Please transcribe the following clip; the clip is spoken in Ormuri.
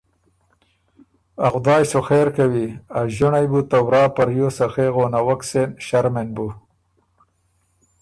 ا خدای سُو خېر کوی۔ ا ݫِنړئ بُو ته ورا په ریوز سخې غونوَک سېن ݭرمېن بُو